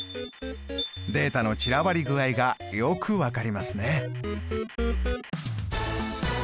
データの散らばり具合がよく分かりますね。